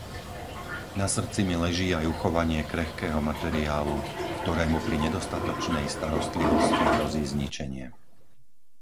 Na srdci mi leží aj uchovanie krehkého materiálu, ktorému pri nedostatočnej starostlivosti hrozí zničenie.